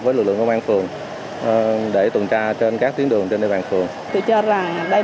với lực lượng công an phường để tuần tra trên các tuyến đường trên địa bàn phường tôi cho rằng đây